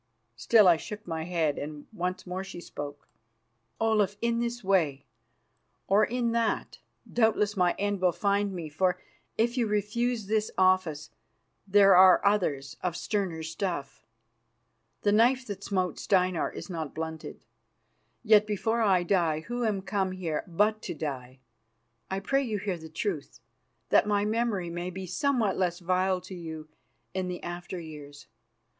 Still I shook my head, and once more she spoke: "Olaf, in this way or in that doubtless my end will find me, for, if you refuse this office, there are others of sterner stuff. The knife that smote Steinar is not blunted. Yet, before I die, who am come here but to die, I pray you hear the truth, that my memory may be somewhat less vile to you in the after years.